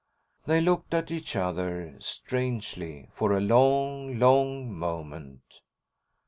They looked at each other, strangely, for a long, long moment.